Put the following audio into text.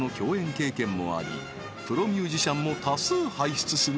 経験もありプロミュージシャンも多数輩出する